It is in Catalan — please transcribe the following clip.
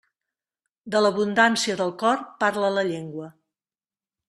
De l'abundància del cor, parla la llengua.